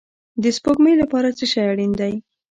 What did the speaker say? د سپوږمۍ لپاره څه شی اړین دی؟